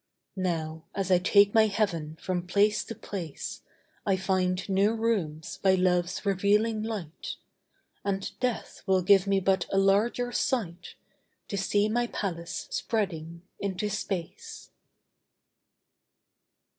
Now as I take my heaven from place to place I find new rooms by love's revealing light, And death will give me but a larger sight To see my palace spreading into space.